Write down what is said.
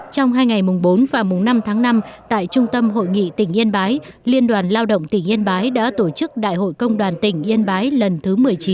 trong hai ngày mùng bốn và mùng năm tháng năm tại trung tâm hội nghị tỉnh yên bái liên đoàn lao động tỉnh yên bái đã tổ chức đại hội công đoàn tỉnh yên bái lần thứ một mươi chín